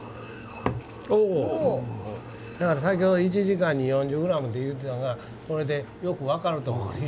だから先ほど１時間に４０ｇって言うてたのがこれでよく分かると思うんです。